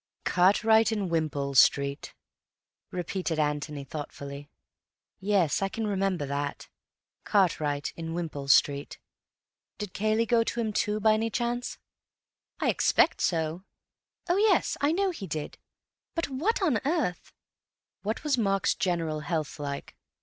"Cartwright in Wimpole Street," repeated Antony thoughtfully. "Yes, I can remember that. Cartwright in Wimpole Street. Did Cayley go to him too, by any chance?" "I expect so. Oh, yes, I know he did. But what on earth—" "What was Mark's general health like?